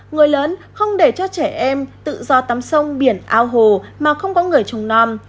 người lớn không để cho trẻ em tự do tắm sông biển ao hồ mà không có người trung non